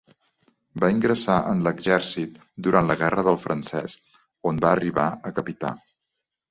Va ingressar en l'exèrcit durant la Guerra del Francès, on va arribar a capità.